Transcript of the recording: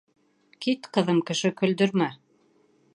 Кит, ҡыҙым, кеше көлдөрмә.